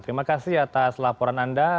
terima kasih atas laporan anda